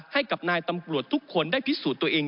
ให้กับนายตำรวจทุกคนได้พิสูจน์ตัวเอง